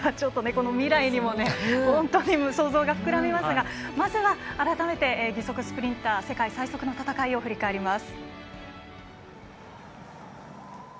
未来にも本当に想像が膨らみますがまずは改めて義足スプリンター世界最速の戦いを振り返ります。